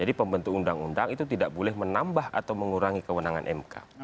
jadi pembentuk undang undang itu tidak boleh menambah atau mengurangi kewenangan mk